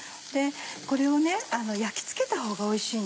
これを焼きつけたほうがおいしいんです。